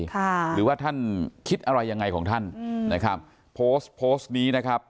หรือว่าท่านคิดอะไรยังไงของท่านอืมนะครับโพสต์โพสต์นี้นะครับ